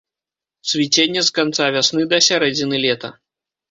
Цвіценне з канца вясны да сярэдзіны лета.